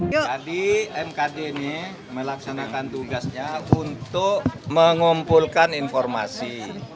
tadi mkd ini melaksanakan tugasnya untuk mengumpulkan informasi